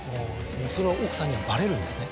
それは奥さんにはバレるんですね。